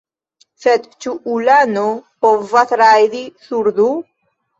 Sed ĉu ulano povas rajdi sur du?